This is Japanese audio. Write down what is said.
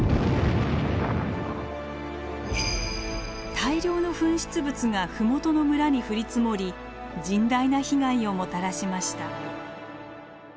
大量の噴出物が麓の村に降り積もり甚大な被害をもたらしました。